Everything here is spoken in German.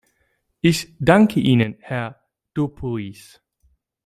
Ich danke Ihnen, Herr Dupuis.